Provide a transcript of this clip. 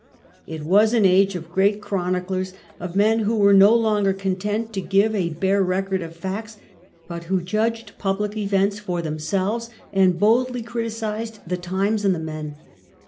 It was an age of great chroniclers, of men who were no longer content to give a bare record of facts, but who judged public events for themselves, and boldly criticised the times and the men.